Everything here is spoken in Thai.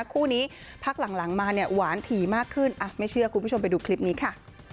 คู่นี้พักหลังมาเนี่ยหวานถี่มากขึ้นไม่เชื่อคุณผู้ชมไปดูคลิปนี้ค่ะ